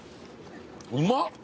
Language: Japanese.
うまっ！